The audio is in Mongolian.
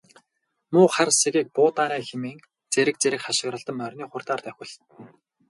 Муу хар сэгийг буудаарай хэмээн зэрэг зэрэг хашхиралдан морины хурдаар давхилдана.